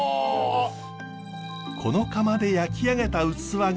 この窯で焼き上げた器が。